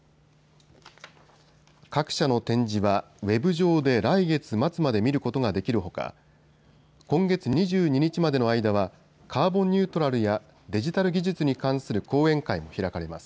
各社の展示はウェブ上で来月末まで見ることができるほか今月２２日までの間はカーボンニュートラルやデジタル技術に関する講演会も開かれます。